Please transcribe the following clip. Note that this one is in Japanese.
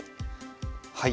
はい。